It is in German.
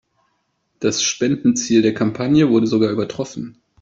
Das Spendenziel der Kampagne wurde sogar übertroffen.